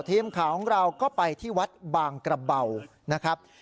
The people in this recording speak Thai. ทีมข่าวของเราก็ไปที่วัดบางกระเบานะครับ